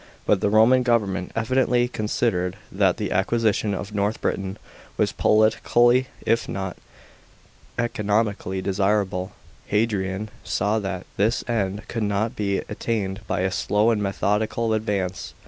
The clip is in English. But , the Roman government evidently con si sidered that the acquisition of North 3 Britain was politically, if not economi $ cally, desirable. Hadrian saw that this | end could only be attained by a slow ^ and methodical advance.